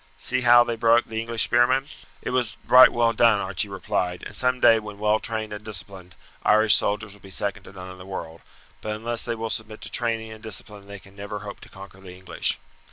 See how they broke the English spearmen!" "It was right well done," Archie replied, "and some day, when well trained and disciplined, Irish soldiers will be second to none in the world; but unless they will submit to training and discipline they can never hope to conquer the English."